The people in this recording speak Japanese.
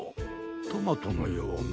トマトのような。